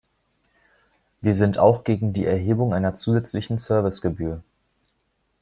Wir sind auch gegen die Erhebung einer zusätzlichen Servicegebühr.